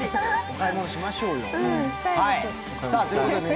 買い物しましょうよ。